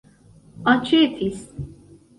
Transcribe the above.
aĉetis